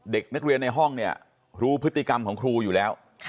เด็กนักเรียนในห้องเนี่ยรู้พฤติกรรมของครูอยู่แล้ว